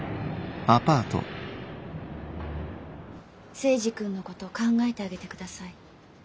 征二君のこと考えてあげてください。